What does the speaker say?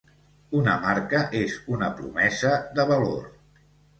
Una marca és una promesa de valor.